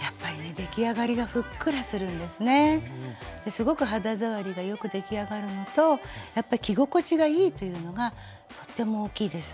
すごく肌触りが良く出来上がるのとやっぱり着心地がいいというのがとっても大きいです。